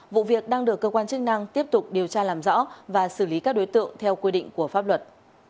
vụ việc đang được cơ quan chức năng tiếp tục điều tra làm rõ và xử lý các đối tượng theo quy định của pháp luật